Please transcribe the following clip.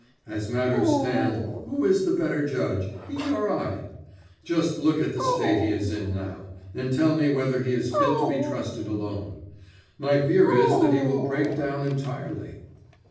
As matters stand, who is the better judge, he or I? Just look at the state he is in now, and tell me whether he is fit to be trusted alone. My fear is that he will break down entirely."